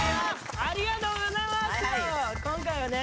ありがとうございます。